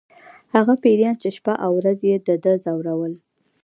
هغه پیریان چې شپه او ورځ یې د ده ځورول